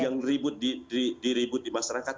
yang ribut diribut di masyarakat